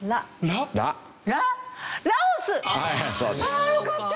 ああよかった！